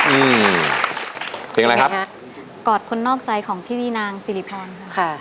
อืมเพลงอะไรครับกอดคนนอกใจของพี่นี่นางสิริพรค่ะ